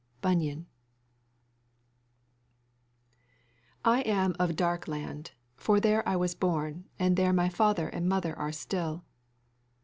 Bunyan. "I am of Dark land, for there was I born, and there my father and mother are still."